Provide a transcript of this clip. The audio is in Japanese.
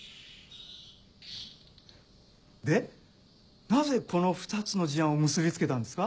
でなぜこの２つの事案を結び付けたんですか？